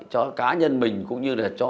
cho cá nhân mình cũng như là cho